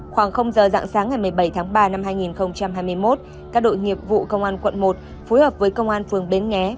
khoảng giờ dạng sáng ngày một mươi bảy tháng ba năm hai nghìn hai mươi một các đội nghiệp vụ công an quận một phối hợp với công an phường bến nghé